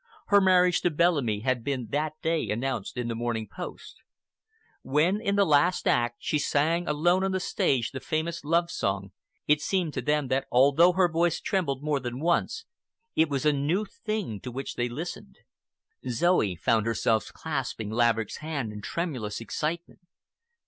Her marriage to Bellamy had been that day announced in the Morning Post. When, in the last act, she sang alone on the stage the famous love song, it seemed to them all that although her voice trembled more than once, it was a new thing to which they listened. Zoe found herself clasping Laverick's hand in tremulous excitement.